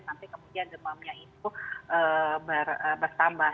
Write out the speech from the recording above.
sampai kemudian demamnya itu bertambah